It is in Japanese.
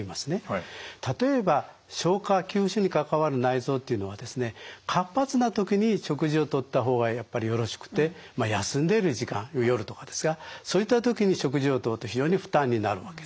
例えば消化吸収に関わる内臓というのは活発な時に食事をとった方がやっぱりよろしくてまあ休んでいる時間夜とかですがそういった時に食事をとると非常に負担になるわけですね。